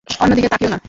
অন্যদিকে তাকিও না।